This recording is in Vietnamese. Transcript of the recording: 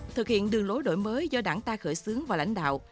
thực hiện đường lối đổi mới do đảng ta khởi xướng và lãnh đạo